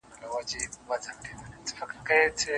سیوری د قسمت مي په دې لاره کي لیدلی دی